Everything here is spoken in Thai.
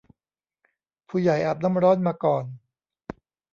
ผู้ใหญ่อาบน้ำร้อนมาก่อน